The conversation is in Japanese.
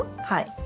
はい。